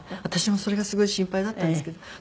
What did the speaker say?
私もそれがすごい心配だったんですけど。